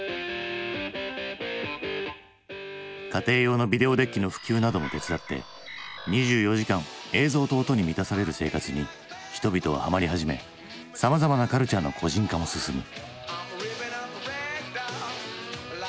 家庭用のビデオデッキの普及なども手伝って２４時間映像と音に満たされる生活に人々はハマり始めさまざまなカルチャーの個人化も進む。